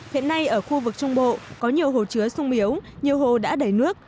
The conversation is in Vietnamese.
hiện nay ở khu vực trung bộ có nhiều hồ chứa sung yếu nhiều hồ đã đầy nước